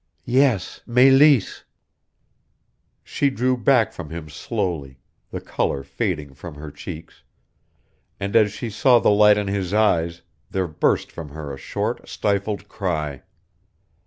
"Yes Meleese " She drew back from him slowly, the color fading from her cheeks; and as she saw the light in his eyes, there burst from her a short, stifled cry.